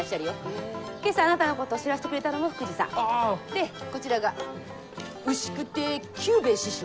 でこちらが牛久亭九兵衛師匠。